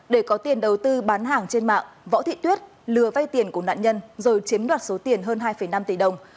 để có tiền đầu tư bán hàng trên mạng võ thị tuyết lừa vay tiền của nạn nhân rồi chiếm đoạt số tiền hơn hai năm tỷ đồng